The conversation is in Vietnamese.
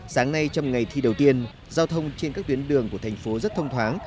sáng nay trong ngày thi đầu tiên giao thông trên các tuyến đường của tp rất thông thoáng